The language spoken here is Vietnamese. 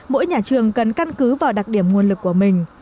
mỗi nhà trường cần căn cứ vào đặc điểm nguồn lực của mình